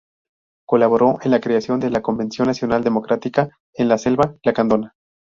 Colaboró en la creación de la Convención Nacional Democrática en la Selva Lacandona.